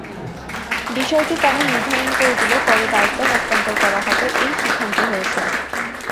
বিষয়টি তাঁরা নির্ধারণ করে দিলে পরে দায়িত্ব হস্তান্তর করা হবে—এ সিদ্ধান্ত হয়েছে।